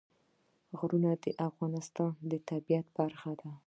غرونه د افغانستان د طبیعت برخه ده.